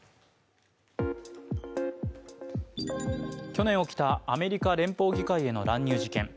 去年起きたアメリカ連邦議会への乱入事件。